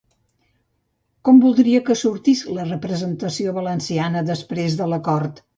Com voldria que sortís la representació valenciana després de l'acord?